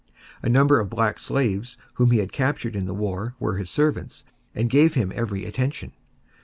A number of black slaves whom he had captured in the war were his servants and gave him every attention.